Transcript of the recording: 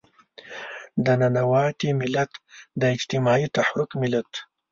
د ننواتې ملت، د اجتماعي تحرک ملت.